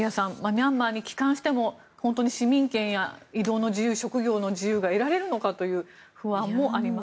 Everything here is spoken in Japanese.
ミャンマーに帰還しても市民権や、移動や職業の自由が得られるのかという不安もあります。